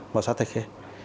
bảo sát thạch khê